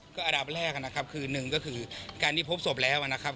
ก็อันดับแรกนะครับคือหนึ่งก็คือการที่พบศพแล้วนะครับ